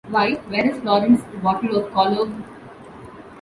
Why, where is Florence's bottle of cologne?